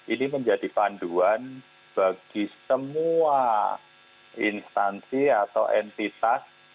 ini menjadi panduan bagi semua instansi atau entitas